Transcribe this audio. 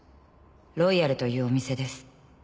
「ロイヤルというお店です。